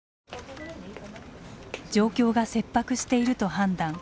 状況が切迫していると判断。